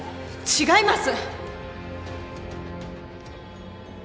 違います。